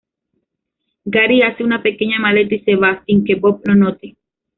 Gary hace una pequeña maleta y se va, sin que Bob lo note.